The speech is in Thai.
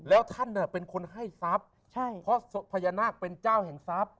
แล้วท่านเป็นคนให้ทรัพย์เพราะพญานาคเป็นเจ้าแห่งทรัพย์